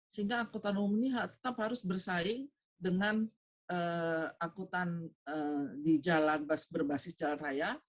sehingga amputan umum ini tetap harus bersaing dengan amputan berbasis jalan raya